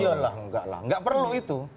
iya lah enggak lah nggak perlu itu